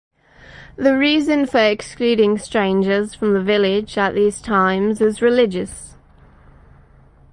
The reason for excluding strangers from the village at these times is religious.